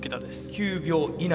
９秒以内。